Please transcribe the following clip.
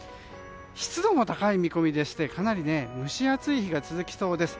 湿度も高い見込みで蒸し暑い日が続きそうです。